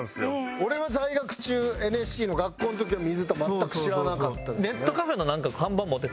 俺は在学中ＮＳＣの学校の時は水田全く知らなかったですね。